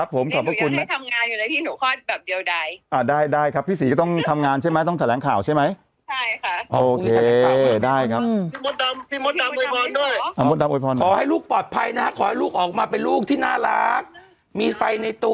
หนุ้อจะคอดพรุ่งนี้แล้วค่ะขออวยพลอยให้หนุ้นหน่อย